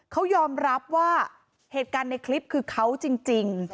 เขายอมรับว่าเหตุการณ์ในคลิปคือเขาจริง